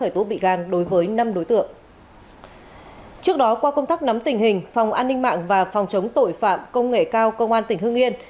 trước đó qua công tác nắm tình hình phòng an ninh mạng và phòng chống tội phạm công nghệ cao công an tỉnh hưng yên